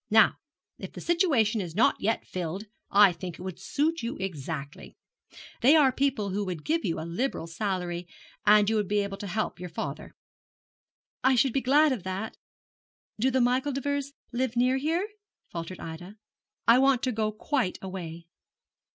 Now, if the situation is not yet filled, I think it would suit you exactly. They are people who would give you a liberal salary you would be able to help your father.' 'I should be glad of that. Do the Micheldevers live near here?' faltered Ida. 'I want to go quite away.'